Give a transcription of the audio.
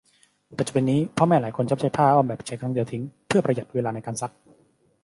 ปัจจุบันนี้พ่อแม่หลายคนชอบใช้ผ้าอ้อมแบบใช้ครั้งเดียวทิ้งเพือประหยัดเวลาในการซัก